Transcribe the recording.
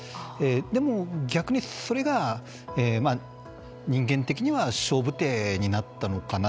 でも、逆にそれが、人間的には勝負手になったのかなと。